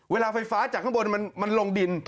เวลาไฟฟ้าจากข้างบนมันลงดิน